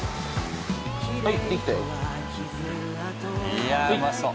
いやあうまそう。